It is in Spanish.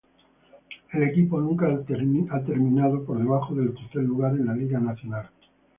El equipo nunca ha terminado por debajo del tercer lugar en la liga nacional.